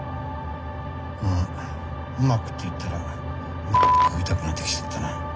あっ「うまく」って言ったら食いたくなってきちゃったな。